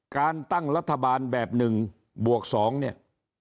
การตั้งรัฐบาลแบบ๑บวก๒เนี่ย